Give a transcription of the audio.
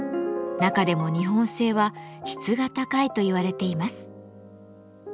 中でも日本製は質が高いといわれています。